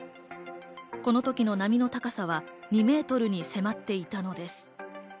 このときの波の高さは２メートルに迫っていたのです。